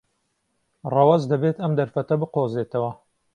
ڕەوەز دەبێت ئەم دەرفەتە بقۆزێتەوە.